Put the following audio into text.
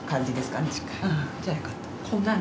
じゃあよかった。